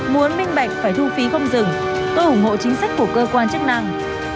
muốn minh bạch phải thu phí không dừng tôi ủng hộ chính sách của cơ quan chức năng